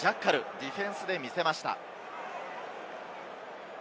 ディフェンスで見せました。